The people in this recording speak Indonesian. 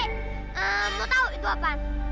mau tau itu apa